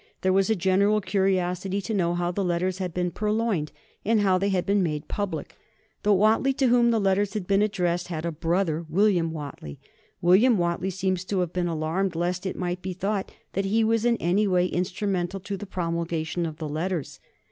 There was a general curiosity to know how the letters had been purloined and how they had been made public. The Whately to whom the letters had been addressed had a brother, William Whately. William Whately seems to have been alarmed lest it might be thought that he was in any way instrumental to the promulgation of the letters.